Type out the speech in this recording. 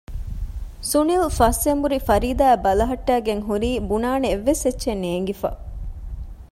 ސުނިލް ފަސް އެނބުރި ފަރީދާއަށް ބަލަހައްޓައިގެން ހުރީ ބުނާނެ އެއްވެސް އެއްޗެއް ނޭންގިފަ